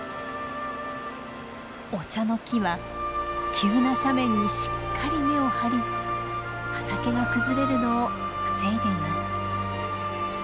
お茶の木は急な斜面にしっかり根を張り畑が崩れるのを防いでいます。